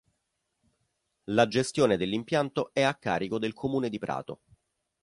La gestione dell'impianto è a carico del comune di Prato.